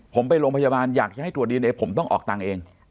ผมไปโรงพยาบาลอยากจะให้ตรวจดีเอนเอผมต้องออกตังค์เอง